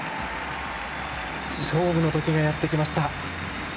勝負の時がやってきました。